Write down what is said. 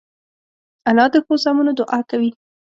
انا د ښو زامنو دعا کوي